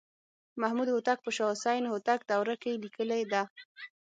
محمدهوتک په شاه حسین هوتک دوره کې لیکلې ده.